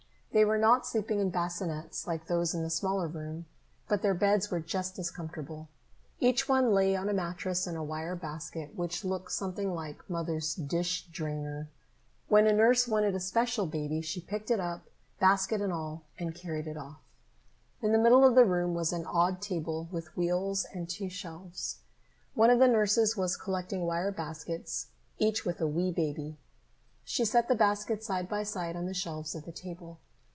They were not sleeping in bassinets like those in the smaller room, but their beds were just as comfortable. Each one lay on a mattress in a wire basket which looked something like Mother's dish drainer. When a nurse wanted a special baby, she picked it up, basket and all, and carried it off. In the middle of the room was an odd table, with wheels and two shelves. One of the nurses was collecting wire baskets, each with a wee baby. She set the baskets side by side on the shelves of the table.